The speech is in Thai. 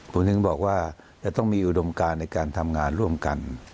ผมถึงบอกว่าจะต้องมีอุดมการในการทำงานร่วมกัน